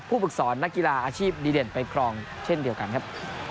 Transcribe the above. ฝึกสอนนักกีฬาอาชีพดีเด่นไปครองเช่นเดียวกันครับ